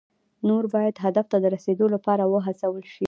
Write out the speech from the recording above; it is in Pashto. نور باید هدف ته د رسیدو لپاره وهڅول شي.